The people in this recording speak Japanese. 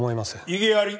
異議あり！